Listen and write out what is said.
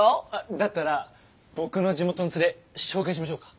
だったら僕の地元のツレ紹介しましょうか？